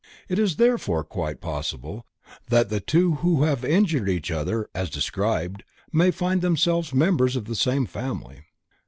It is therefore quite possible that the two who have injured each other as described, may find themselves members of the same family.